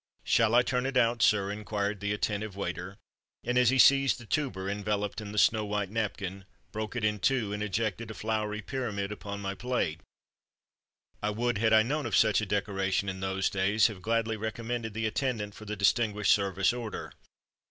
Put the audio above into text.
"Shall I turn it out, sir?" inquired the attentive waiter; and, as he seized the tuber, enveloped in the snow white napkin, broke it in two, and ejected a floury pyramid upon my plate, I would, had I known of such a decoration in those days, have gladly recommended that attendant for the Distinguished Service order.